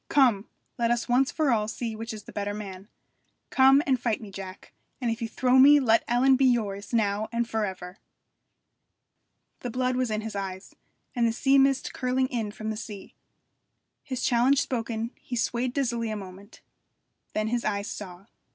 'Come! let us once for all see which is the better man. Come and fight me, Jack, and if you throw me let Ellen be yours now and for ever!' The blood was in his eyes, and the sea mist curling in from sea. His challenge spoken, he swayed dizzily a moment. Then his eyes saw.